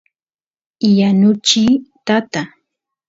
yanuchiy tata